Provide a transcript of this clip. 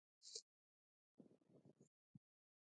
په ټول افغانستان کې د مزارشریف په اړه زده کړه کېږي.